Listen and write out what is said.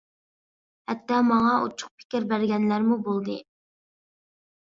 ھەتتا ماڭا ئۇچۇق پىكىر بەرگەنلەرمۇ بولدى.